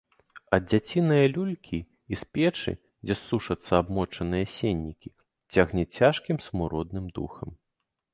Ад дзяцінае люлькі і з печы, дзе сушацца абмочаныя сеннікі, цягне цяжкім смуродным духам.